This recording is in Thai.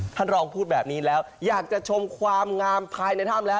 ท่านรองพูดแบบนี้แล้วอยากจะชมความงามภายในถ้ำแล้ว